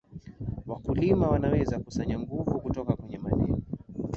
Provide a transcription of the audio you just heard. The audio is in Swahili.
wakulima wanaweza kukusanya nguvu kutoka kwenye maneno